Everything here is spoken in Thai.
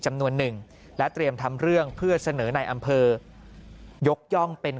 จำนวนหนึ่งและเตรียมทำเรื่องเพื่อเสนอในอำเภอยกย่องเป็น